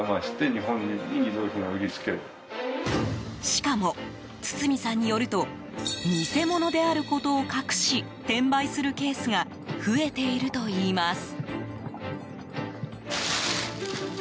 しかも、堤さんによると偽物であることを隠し転売するケースが増えているといいます。